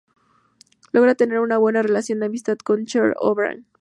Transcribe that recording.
Logra tener una buena relación de amistad con Chloe O'Brian.